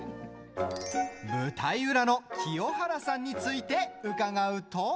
舞台裏の清原さんについて伺うと。